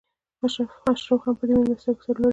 اشراف هم په دې مېلمستیاوو سرلوړي کېدل.